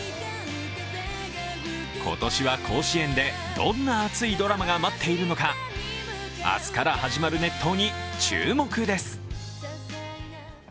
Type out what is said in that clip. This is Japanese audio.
今年は甲子園でどんな熱いドラマが待っているのか明日から始まる熱闘に注目です。